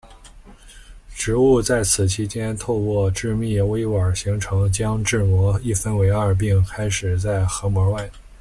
植物在此期间透过致密微管形成将质膜一分为二并开始在核膜外。